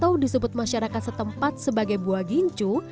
atau disebut masyarakat setempat sebagai buah gincu